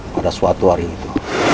pada suatu hari itu